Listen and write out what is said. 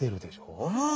うん。